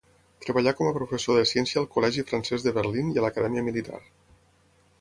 Treballà com a professor de ciència al Col·legi Francès de Berlín i a l'acadèmia militar.